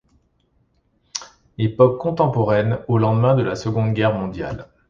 Époque contemporaine, au lendemain de la Seconde Guerre mondiale.